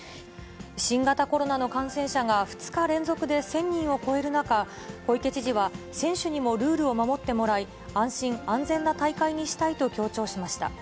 新型コロナの感染者が、２日連続で１０００人を超える中、小池知事は、選手にもルールを守ってもらい、安心安全な大会にしたいと強調しました。